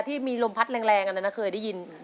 ที่มีลมพัดแรงอันนั้นนะเคยได้ยิน